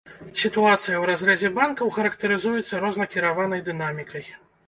Сітуацыя ў разрэзе банкаў характарызуецца рознанакіраванай дынамікай.